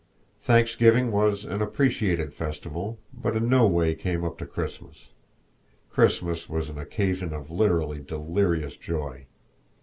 Thanksgiving was an appreciated festival, but it in no way came up to Christmas. Christmas was an occasion of literally delirious joy.